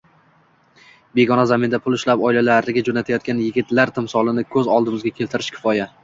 begona zaminda pul ishlab oilalariga jo‘natayotgan yigitlar timsolini ko‘z oldimizga keltirish kifoya